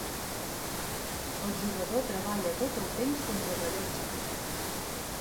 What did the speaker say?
El jugador treballa tot el temps contrarellotge.